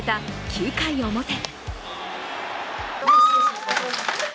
９回表。